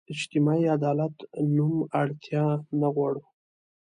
اجتماعي عدالت نوم اړتیا نه غواړو.